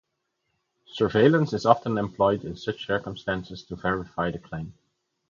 Surveillance is often employed in such circumstances to verify the claim.